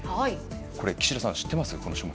これ、岸田さん、知ってますか。